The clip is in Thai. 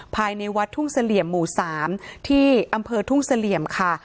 ภายในวัดทุ่งเสลี่ยมหมู่๓ที่อำเภอทุ่งเสลี่ยมค่ะ